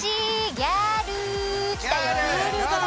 ギャルだ！